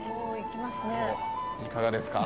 いかがですか？